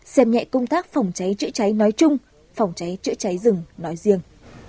xem nhẹ công tác phòng cháy chữa cháy nói chung phòng cháy chữa cháy rừng nói riêng